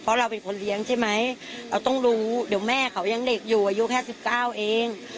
เพราะเราเป็นคนเลี้ยงใช่ไหมเราต้องรู้เดี๋ยวแม่เขายังเด็กอยู่อายุแค่๑๙เอง